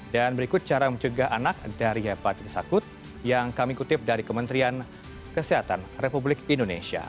dan berikut cara menjaga anak dari hepatitis akut yang kami kutip dari kementerian kesehatan republik indonesia